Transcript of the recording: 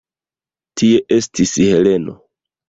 Tie estis Heleno.